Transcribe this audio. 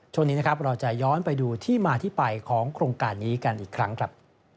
ช่วงนี้นะครับเราจะย้อนไปดูที่มาที่ไปของโครงการนี้กันอีกครั้งครับ